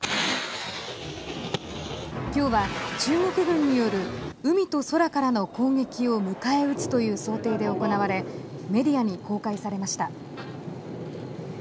きょうは中国軍による海と空からの攻撃を迎え撃つという想定で行われメディアに公開されました。